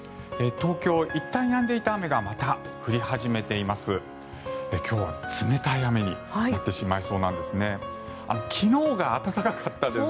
東京、いったんやんでいた雨がまた降り始めています。